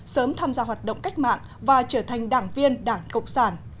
sớm tham gia hoạt động cách mạng và trở thành đảng viên đảng cộng sản